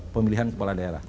pemilihan kepala daerah